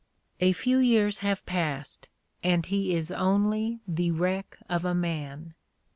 A few years have passed, and he is only the wreck of a man.